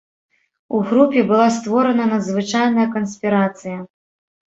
У групе была створана надзвычайная канспірацыя.